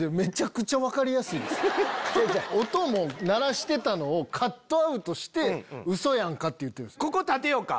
音も鳴らしてたのをカットアウトして「うそやんか」って言うてるんすよ。